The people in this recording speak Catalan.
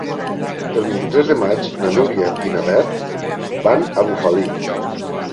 El vint-i-tres de maig na Núria i na Beth van a Bufali.